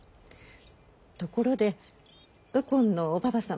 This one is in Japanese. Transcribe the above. ところで右近のおばば様。